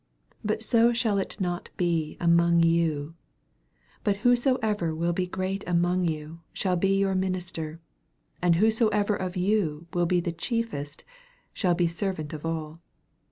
43 But so shall it not be among you: but whosoever will be great among you, shall be your minis ter: 44 And whosoever of you will be the chiefest, shall be servant of all.